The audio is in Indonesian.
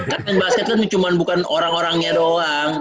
karena basket kan bukan orang orangnya doang